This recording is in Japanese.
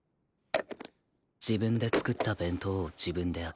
自分で作った弁当を自分で開ける